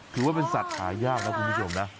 ถือว่าเป็นสัตว์หายากนะคุณผู้ชมนะ